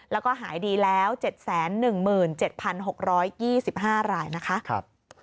แล้วก็หายดีแล้ว๗๑๗๖๒๕รายนะคะ